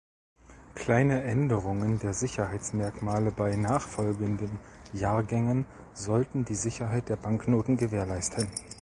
Kleine Änderungen der Sicherheitsmerkmale bei nachfolgenden Jahrgängen sollten die Sicherheit der Banknoten gewährleisten.